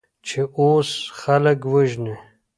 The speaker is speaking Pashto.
چې اوس خلک وژنې؟